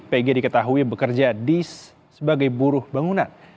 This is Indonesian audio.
pg diketahui bekerja sebagai buruh bangunan